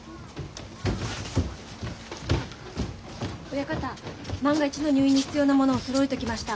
親方万が一の入院に必要なものをそろえておきました。